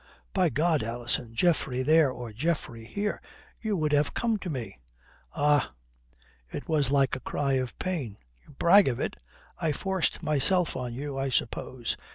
By God, Alison, Geoffrey there or Geoffrey here, you would have come to me." "Ah!" It was like a cry of pain. "You brag of it. I forced myself on you, I suppose."